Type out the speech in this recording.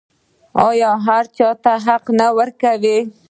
آیا چې هر چا ته حق نه ورکوي؟